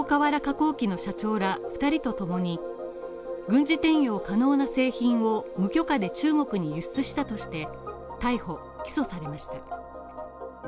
工機の社長ら２人と共に軍事転用可能な製品を無許可で中国に輸出したとして逮捕起訴されました。